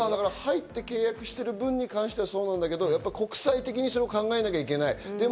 契約している分に関してはそうだけど国際的にそう考えなきゃいけない。